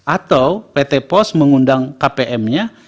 atau pt pos mengundang kpmnya